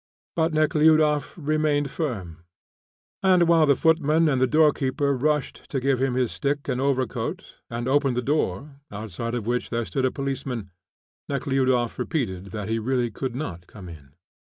But Nekhludoff remained firm; and while the footman and the door keeper rushed to give him his stick and overcoat, and opened the door, outside of which there stood a policeman, Nekhludoff repeated that he really could not come in.